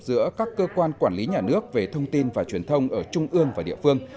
giữa các cơ quan quản lý nhà nước về thông tin và truyền thông ở trung ương và địa phương